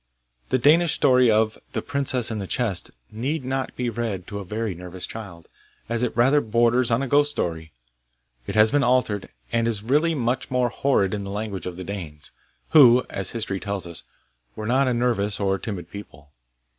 The Danish story of 'The Princess in the Chest' need not be read to a very nervous child, as it rather borders on a ghost story. It has been altered, and is really much more horrid in the language of the Danes, who, as history tells us, were not a nervous or timid people.